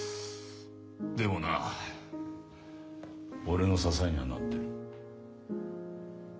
でもな俺の支えにはなってる。